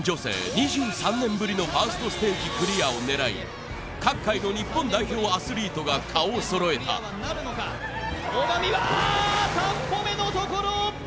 ２３年ぶりのファーストステージクリアをねらい各界の日本代表アスリートが顔を揃えたああっ３歩目のところ！